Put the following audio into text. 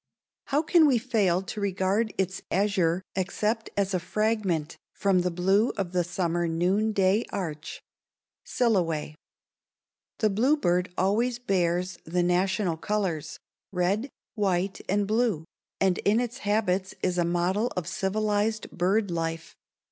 _ How can we fail to regard its azure except as a fragment from the blue of the summer noonday arch? Silloway. The bluebird always bears the national colors red, white, and blue and in its habits is a model of civilized bird life.